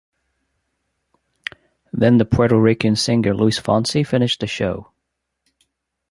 Then the Puerto Rican singer Luis Fonsi finished the show.